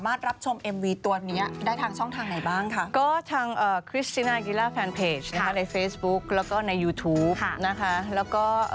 ใครเป็นคนคิดถ้าต้องถ้าเต้นหรือว่าแบบลีลา